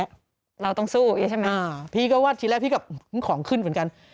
เราต้องสู้ใช่ไหมอ่าพี่ก็ว่าทีแรกพี่กับอืมของขึ้นเหมือนกัน